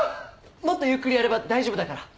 もっとゆっくりやれば大丈夫だから。